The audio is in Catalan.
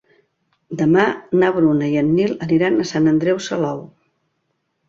Demà na Bruna i en Nil aniran a Sant Andreu Salou.